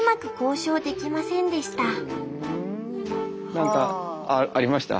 何かありました？